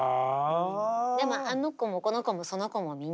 でもあの子もこの子もその子もみんないるけど。